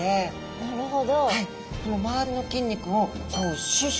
なるほど。